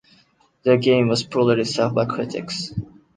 The game was poorly received by critics.